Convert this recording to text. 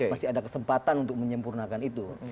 masih ada kesempatan untuk menyempurnakan itu